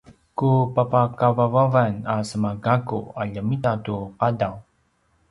ku papakavavavan a sema gakku a ljemita tu qadaw